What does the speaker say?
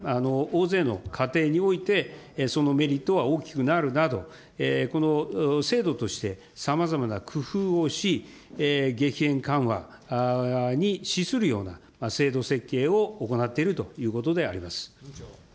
電力を多く使う、大きな、大勢の家庭において、そのメリットは大きくなるなど、この制度としてさまざまな工夫をし、激変緩和に資するような制度設計を行っているということであります。